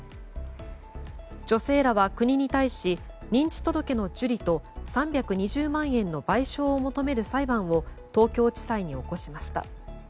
女性らは国に対し認知届の受理と３２０万円の賠償を求める裁判を東京地裁に起こしました。